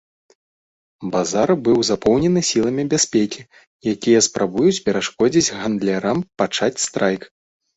Базар быў запоўнены сіламі бяспекі, якія спрабуюць перашкодзіць гандлярам пачаць страйк.